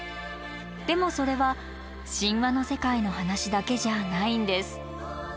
でもそれは神話の世界の話だけじゃないんです。